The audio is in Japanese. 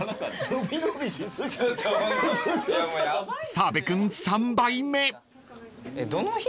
［澤部君３杯目］